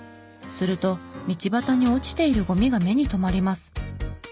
すると道端に落ちているゴミが目に留まります。